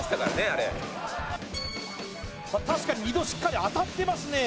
あれ確かに２度しっかり当たってますね